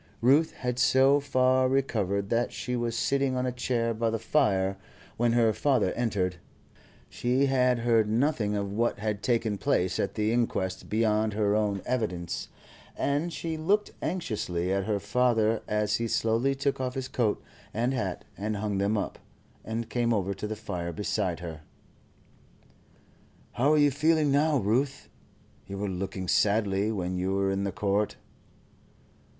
Ruth had so far recovered that she was sitting on a chair by the fire when her father entered. She had heard nothing of what had taken place at the inquest beyond her own evidence, and she looked anxiously at her father as he slowly took off his coat and hat and hung them up, and came over to the fire beside her. "How are you feeling now, Ruth? You were looking sadly when you were in the court."